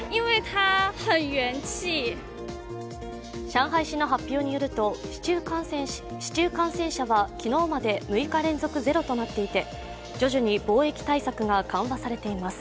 上海市の発表によると、市中感染者は昨日まで６日連続ゼロとなっていて徐々に防疫対策が緩和されています。